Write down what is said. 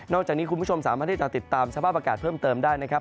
จากนี้คุณผู้ชมสามารถที่จะติดตามสภาพอากาศเพิ่มเติมได้นะครับ